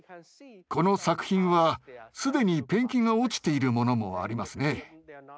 この作品は既にペンキが落ちているものもありますね。